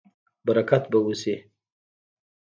برکت به وشي